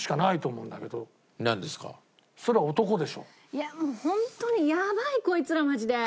いやもうホントにやばいコイツらマジで。